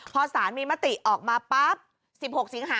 พอสารมีมติออกมาปั๊บ๑๖สิงหา